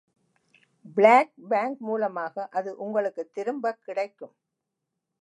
Black bank மூலமாக அது உங்களுக்குத் திரும்பக் கிடைக்கும்.